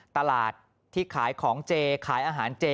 ตลาดที่ขายของเจขายอาหารเจ